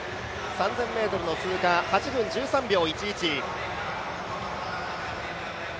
３０００ｍの通過の８分１３秒１１。